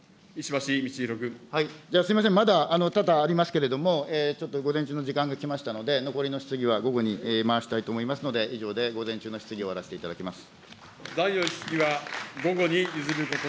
じゃあすみません、まだ多々ありますけれども、ちょっと午前中の時間が来ましたので、残りの質疑は午後に回したいと思いますので、以上で午前中の質疑を終わらせていただきます。